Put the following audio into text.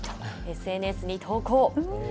ＳＮＳに投稿。